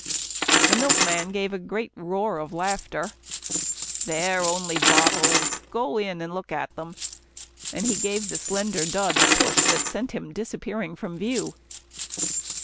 The milkman gave a great roar of laughter. "They're only bottles go in and look at them," and he gave the slender Dud a push that sent him disappearing from view.